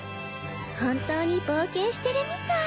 本当に冒険してるみたい。